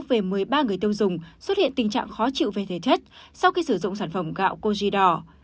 về một mươi ba người tiêu dùng xuất hiện tình trạng khó chịu về thể chất sau khi sử dụng sản phẩm gạo cogidor